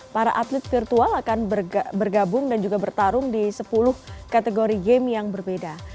para atlet virtual akan bergabung dan juga bertarung di sepuluh kategori game yang berbeda